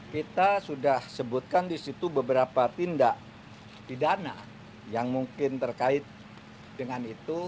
kita sudah sebutkan di situ beberapa tindak pidana yang mungkin terkait dengan itu